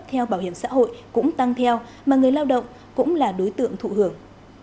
theo bảo hiểm xã hội cũng tăng theo mà người lao động cũng là đối tượng thụ hưởng